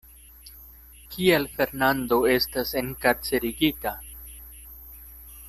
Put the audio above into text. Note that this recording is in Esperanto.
Kial Fernando estas enkarcerigita?